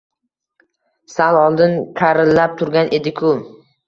Sal oldin karillab turgan ediku